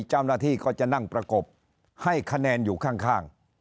เจ้าหน้าที่ก็จะนั่งประกบให้คะแนนอยู่ข้าง